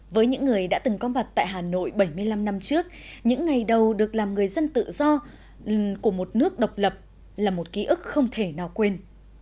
với những người đã từng có mặt tại hà nội bảy mươi năm năm trước những ngày đầu được làm người dân tự do của một nước độc lập là một ký ức không thể nào quên